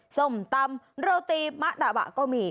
ส้มตำโรตีมะตะบะก็มี